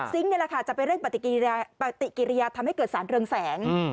นี่แหละค่ะจะไปเร่งปฏิกิริยาทำให้เกิดสารเรืองแสง